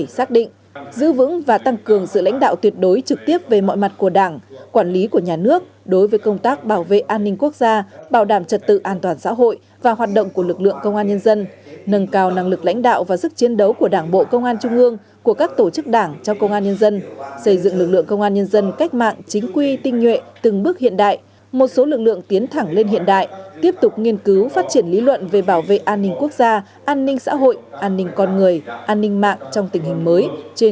giữ vững và tăng cường sự lãnh đạo tuyệt đối trực tiếp về mọi mặt của đảng quản lý của nhà nước đối với công tác bảo vệ an ninh quốc gia bảo đảm trật tự an toàn xã hội và hoạt động của lực lượng công an nhân dân nâng cao năng lực lãnh đạo và sức chiến đấu của đảng bộ công an trung ương của các tổ chức đảng cho công an nhân dân xây dựng lực lượng công an nhân dân cách mạng chính quy tinh nhuệ từng bước hiện đại một số lực lượng tiến thẳng lên hiện đại tiếp tục nghiên cứu phát triển lý luận về bảo vệ an ninh quốc gia an ninh xã